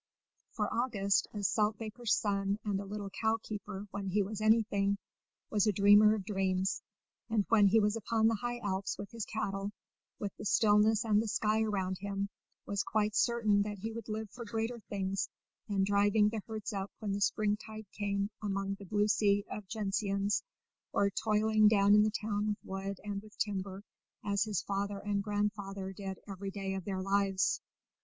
For August, a salt baker's son and a little cow keeper when he was anything, was a dreamer of dreams, and when he was upon the high Alps with his cattle, with the stillness and the sky around him, was quite certain that he would live for greater things than driving the herds up when the springtide came among the blue sea of gentians, or toiling down in the town with wood and with timber as his father and grandfather did every day of their lives.